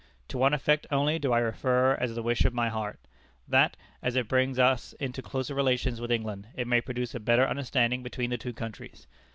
To one effect only do I refer as the wish of my heart that, as it brings us into closer relations with England, it may produce a better understanding between the two countries.